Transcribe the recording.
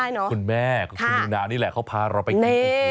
แต่นี่คุณแม่คุณนิวนานี่แหละเขาพาเราไปกิน